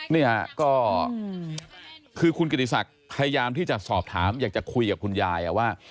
เนี่ยก็คือคุณกิติศักดิ์พยายามที่จะสอบถามอยากจะคุยกับคุณยายว่า